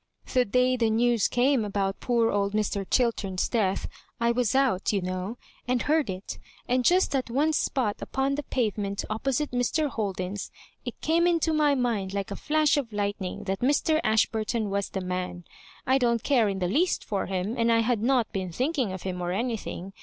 The day the news came about poor old Mr. Chiltem's death I was out, you know, and heard it ; and just at one spot upon the pavement, opposite Mr. Holden's, it came into my mind like a flash of lightning that Mr. Ashburton was the man. I don't care in the least for him, and I had not been thinking of him, or anything.